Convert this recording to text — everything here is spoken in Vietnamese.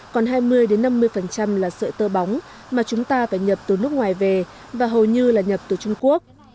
còn hai mươi năm mươi là sợi tơ bóng mà chúng ta phải nhập từ nước ngoài về và hầu như là nhập từ trung quốc